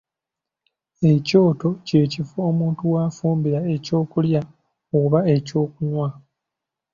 Ekyoto kye kifo omuntu w'afumbira eky'okulya oba eky'okunywa.